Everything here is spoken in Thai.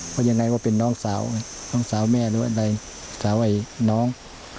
เพราะยังไงว่าเป็นน้องสาวน้องสาวแม่หรือว่าอะไรสาวไอ้น้อง